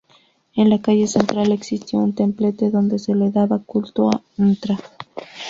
En la calle central existió un templete donde se le daba culto a Ntra.